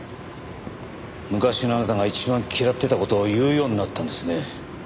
昔のあなたが一番嫌ってた事を言うようになったんですね。